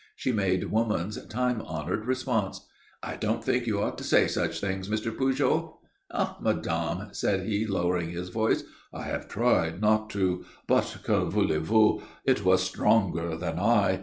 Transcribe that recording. She made woman's time honoured response. "I don't think you ought to say such things, Mr. Pujol." "Ah, madame," said he, lowering his voice; "I have tried not to; but, que voulez vous, it was stronger than I.